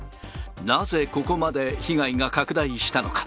なぜここまで被害が拡大したのか。